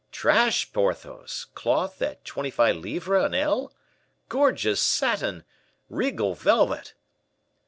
"Trash, Porthos! Cloth at twenty five livres an ell! gorgeous satin! regal velvet!"